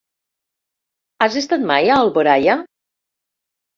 Has estat mai a Alboraia?